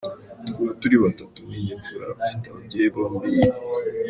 Tuvuka turi batatu ni njye mfura, mfite ababyeyi bombi.